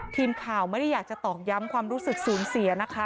ทีมข่าวไม่ได้อยากจะตอกย้ำความรู้สึกสูญเสียนะคะ